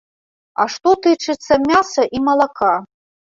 А што тычыцца мяса і малака?